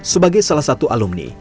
sebagai salah satu alumni